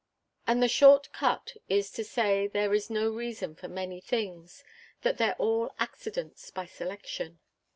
"And the short cut is to say there is no reason for things that they're all accidents, by selection."